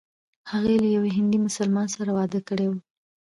هغې له یوه هندي مسلمان سره واده کړی و.